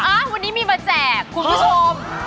อ่ะวันนี้มีมาแจกคุณผู้ชม